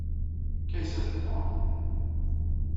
Kaysa tella?